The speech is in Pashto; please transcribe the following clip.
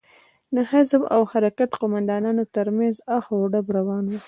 د حزب او حرکت د قومندانانو تر منځ اخ و ډب روان و.